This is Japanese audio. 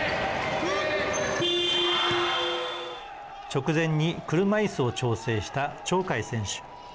直前に車いすを調整した鳥海選手。